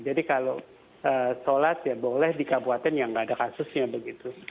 jadi kalau sholat ya boleh di kabupaten yang tidak ada kasusnya begitu